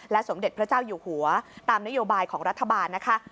สมเด็จพระเจ้าอยู่หัวตามนโยบายของรัฐบาลนะคะ